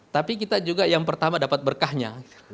tapi kita juga yang pertama dapat berkahnya